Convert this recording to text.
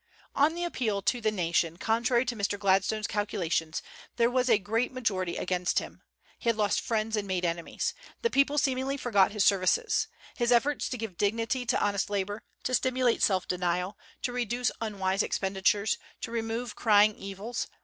On the appeal to the nation, contrary to Mr. Gladstone's calculations, there was a great majority against him. He had lost friends and made enemies. The people seemingly forgot his services, his efforts to give dignity to honest labor, to stimulate self denial, to reduce unwise expenditures, to remove crying evils.